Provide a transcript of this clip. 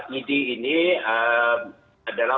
idi ini adalah